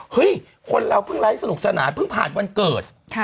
คนเราเพิ่งไลฟ์สนุกสนานเพิ่งผ่านวันเกิด